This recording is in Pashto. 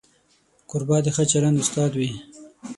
کوربه د ښه چلند استاد وي.